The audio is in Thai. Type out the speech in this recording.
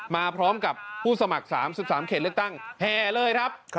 มาพร้อมกับผู้สมัคร๓๓เขตเลือกตั้งแห่เลยครับ